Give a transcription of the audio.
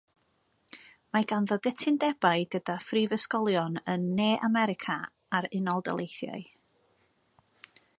Mae ganddo gytundebau gyda phrifysgolion yn Ne America a'r Unol Daleithiau.